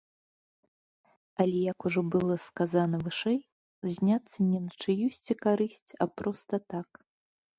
Але, як ужо было сказана вышэй, зняцца не на чыюсьці карысць, а проста так.